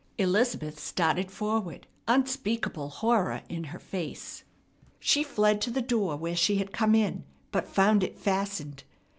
Elizabeth started forward, unspeakable horror in her face. She fled to the door where she had come in, but found it fastened.